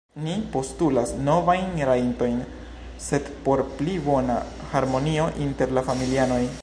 Ni postulas novajn rajtojn, sed por pli bona harmonio inter la familianoj.